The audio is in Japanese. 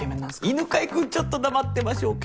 犬飼君ちょっと黙ってましょうか。